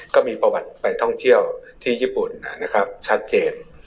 ก็มีประวัติไปท่องเที่ยวที่ญี่ปุ่นนะครับชัดเจน